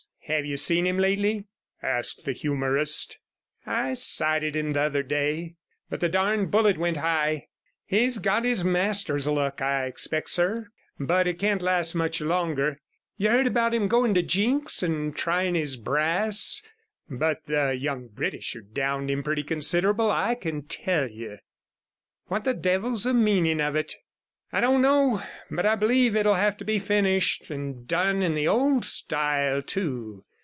'Have you seen him lately?' asked the humourist. 'I sighted him the other day, but the darned bullet went high. He's got his master's luck I expect, sir, but it can't last much longer. You heard about him going to Jinks's and trying his brass, but the young Britisher downed him pretty considerable, I can tell you.' 'What the devil is the meaning of it?' 'I don't know, but I believe it'll have to be finished, and done in the old style too.